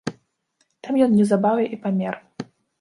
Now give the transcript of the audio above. Там ён неўзабаве і памер.